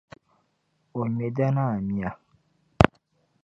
O ŋme Danaa mia.